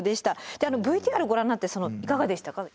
であのＶＴＲご覧になっていかがでしたか？